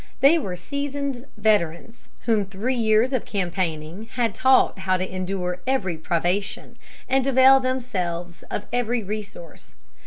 They were seasoned veterans, whom three years of campaigning had taught how to endure every privation, and avail themselves of every resource.